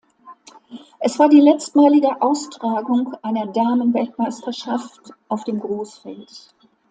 Es war die letztmalige Austragung einer Damen-Weltmeisterschaft auf dem Großfeld.